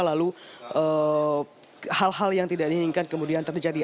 lalu hal hal yang tidak diinginkan kemudian terjadi